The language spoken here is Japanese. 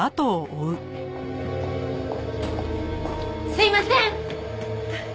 すいません！